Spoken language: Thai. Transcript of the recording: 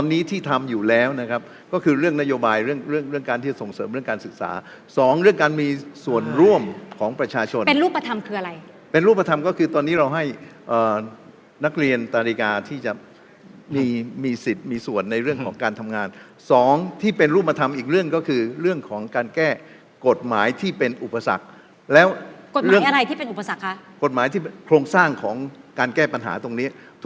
นโยบายเรื่องการที่จะส่งเสริมเรื่องการศึกษาสองเรื่องการมีส่วนร่วมของประชาชนเป็นรูปธรรมคืออะไรเป็นรูปธรรมก็คือตอนนี้เราให้นักเรียนตรริกาที่จะมีสิทธิ์มีส่วนในเรื่องของการทำงานสองที่เป็นรูปธรรมอีกเรื่องก็คือเรื่องของการแก้กฎหมายที่เป็นอุปสรรคแล้วกฎหมายอะไรที่เป็นอุปสรรคครับกฎหมายท